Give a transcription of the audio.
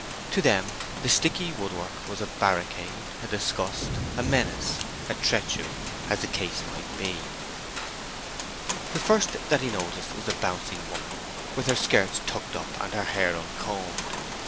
To them the sticky wood work was a barricade, a disgust, a menace, a treachery, as the case might be. The first that he noticed was a bouncing woman with her skirts tucked up and her hair uncombed.